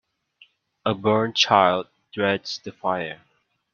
A burnt child dreads the fire